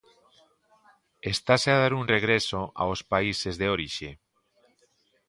Estase a dar un regreso aos países de orixe?